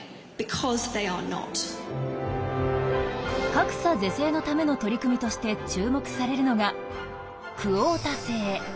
格差是正のための取り組みとして注目されるのが「クオータ制」。